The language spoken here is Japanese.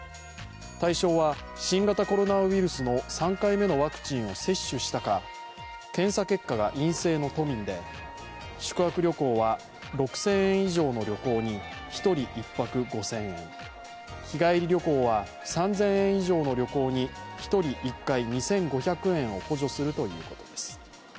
対象は新型コロナウイルスの３回目のワクチンを接種したか検査結果が陰性の都民で、宿泊旅行は６０００円以上の旅行に１人１泊５０００円日帰り旅行は、３０００円以上の旅行に１人１回２５００円を補助するということです。